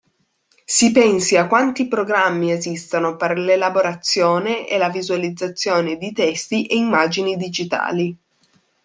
Si pensi a quanti programmi esistano per l'elaborazione e la visualizzazione di testi e immagini digitali.